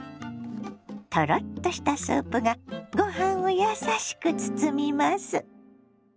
トロッとしたスープがご飯を優しく包みます。